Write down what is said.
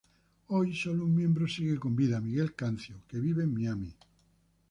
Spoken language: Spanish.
Hoy solo un miembro sigue con vida, Miguel Cancio, que vive en Miami.